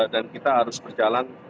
dan kita harus berjalan